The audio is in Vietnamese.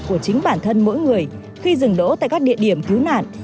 của chính bản thân mỗi người khi dừng đỗ tại các địa điểm cứu nạn